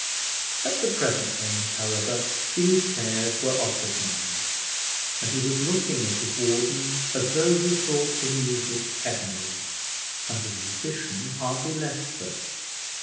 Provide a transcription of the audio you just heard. At the present moment, however, these cares were off his mind, and he was looking at his warden, as though he thought the music heavenly, and the musician hardly less so.